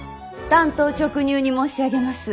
単刀直入に申し上げます。